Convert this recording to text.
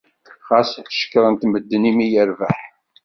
Ɣas cekkren-t medden imi i yerbeḥ.